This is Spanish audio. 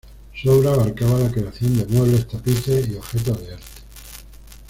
Su obra abarcaba la creación de muebles, tapices y objetos de arte.